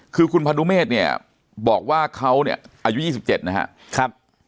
คือคุณพนุเมฆเนี่ยบอกว่าเขาเนี่ยอายุ๒๗นะครับ